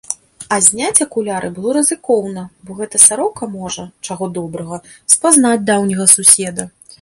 А зняць акуляры было рызыкоўна, бо гэта сарока можа, чаго добрага, спазнаць даўняга суседа.